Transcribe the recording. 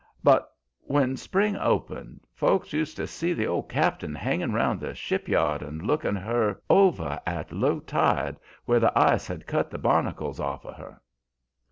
But when spring opened, folks used to see the old cap'n hangin' round the ship yard and lookin' her over at low tide, where the ice had cut the barnacles off of her.